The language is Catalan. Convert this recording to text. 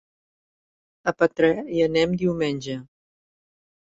A Petrer hi anem diumenge.